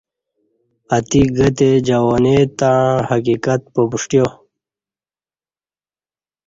اگہ تے جوانی تݩ حقیقت پمݜٹیات